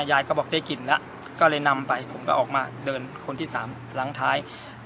ยายก็บอกได้กลิ่นแล้วก็เลยนำไปผมก็ออกมาเดินคนที่สามหลังท้าย